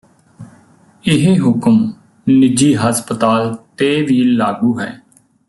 ਇਹ ਹੁਕਮ ਨਿੱਜੀ ਹਸਪਤਾਲ ਤੇ ਵੀ ਲਾਗੂ ਹੈ